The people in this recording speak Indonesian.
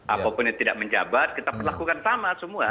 apapun yang tidak menjabat kita perlakukan sama semua